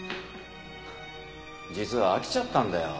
実は飽きちゃったんだよ